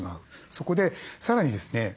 そこでさらにですね